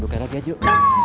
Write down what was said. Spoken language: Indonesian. buka rakyat yuk